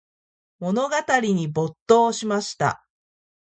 物語に没頭しました。